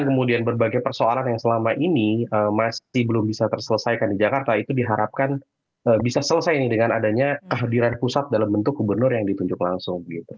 dan kemudian berbagai persoalan yang selama ini masih belum bisa terselesaikan di jakarta itu diharapkan bisa selesai ini dengan adanya kehadiran pusat dalam bentuk gubernur yang ditunjuk langsung